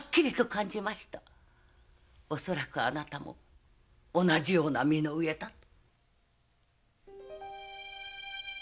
恐らくあなたも同じような身の上だと！